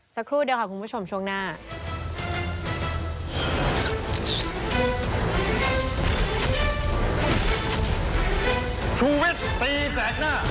สักครู่เดียวค่ะคุณผู้ชมช่วงหน้า